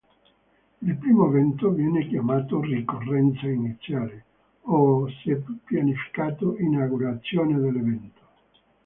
Il primo evento viene chiamato "ricorrenza iniziale" o, se pianificato, "inaugurazione" dell'evento.